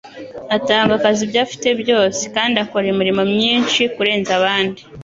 Atanga akazi ibyo afite byose, kandi akora imirimo myinshi kurenza abandi